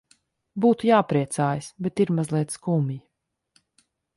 Būtu jāpriecājas, bet ir mazliet skumji.